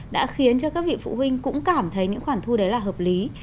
đã khiến cho các vị phụ huynh cũng cảm thấy những khoản thu đấy là hợp lý